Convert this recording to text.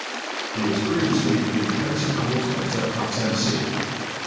He was previously the defensive coordinator at Tennessee.